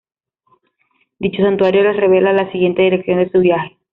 Dicho santuario les revela la siguiente dirección de su viaje.